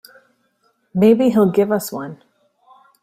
Maybe he'll give us one.